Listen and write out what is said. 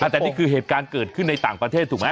แต่นี่คือเหตุการณ์เกิดขึ้นในต่างประเทศถูกไหม